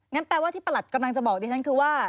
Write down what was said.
แปลว่าที่ประหลัดกำลังจะบอกดิฉันคือว่า